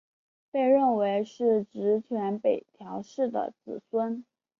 被认为是执权北条氏的子孙。